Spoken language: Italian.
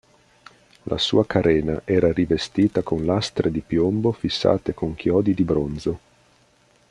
La sua carena era rivestita con lastre di piombo fissate con chiodi di bronzo.